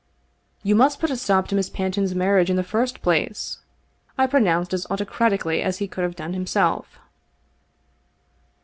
" You must put a stop to Miss Panton's marriage in the first place," I pronounced as autocratically as he could have done himself.